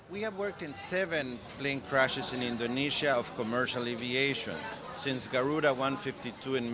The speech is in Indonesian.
sejak terjadi penyelidikan mereka mengatakan